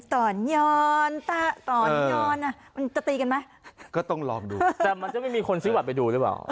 ตอนย้อนตอนย้อนอ่ะมันจะตีกันไหมก็ต้องลองดูแต่มันจะไม่มีคนซื้อบัตรไปดูหรือเปล่า